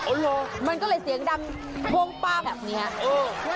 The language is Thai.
โอ้โหมันก็เลยเสียงดำท่วงปั๊บแบบนี้ฮะ